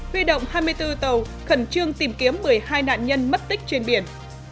huy động hai mươi bốn tàu khẩn trương tìm kiếm một mươi hai nạn nhân mất tích trên biển